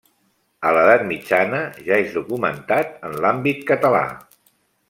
A l'edat mitjana ja és documentat en l'àmbit català.